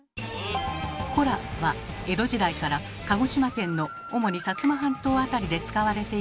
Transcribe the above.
「コラ」は江戸時代から鹿児島県の主に薩摩半島辺りで使われていたとされる方言。